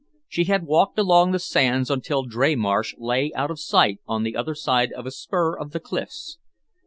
She had walked along the sands until Dreymarsh lay out of sight on the other side of a spur of the cliffs.